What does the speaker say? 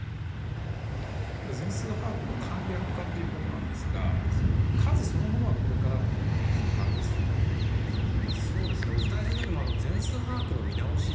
全数把握の簡略化ということですが数そのものはこれからも把握するということなんですね。